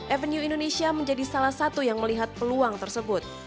avenue indonesia menjadi salah satu yang melihat peluang tersebut